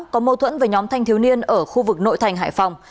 có mâu thuẫn với nhóm thanh thiếu niên ở khu vực nội thành hải phòng